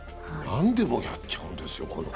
なんでもやっちゃうんですよ。